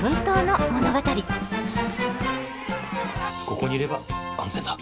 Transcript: ここにいれば安全だ。